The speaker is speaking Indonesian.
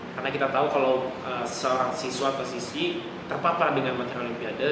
karena kita tahu kalau seorang siswa atau siswi terpapar dengan materi olimpiade